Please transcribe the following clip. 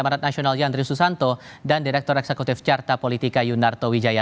amarat nasional yandri susanto dan direktur eksekutif carta politika yunarto wijaya